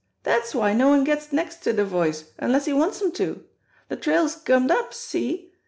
Dat's why no one gets next to de Voice unless he wants 'em to. De trail's gummed up. See?